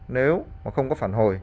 nếu mà không có phản hồi